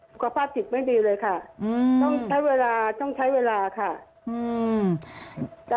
สุขภาพจิตไม่ดีเลยค่ะต้องใช้เวลาต้องใช้เวลาค่ะอืม